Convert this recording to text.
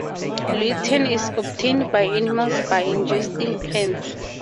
Lutein is obtained by animals by ingesting plants.